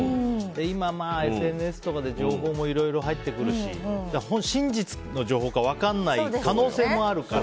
今、ＳＮＳとかで情報もいろいろ入ってくるし真実の情報か分からない可能性もあるから。